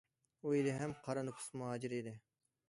ئۇ ھېلىھەم« قارا نوپۇس مۇھاجىر» ئىدى.